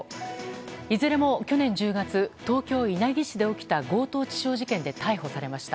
いずれも去年１０月東京・稲城市で起きた強盗致傷事件で逮捕されました。